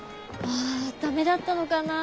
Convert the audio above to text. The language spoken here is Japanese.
あ駄目だったのかなあ。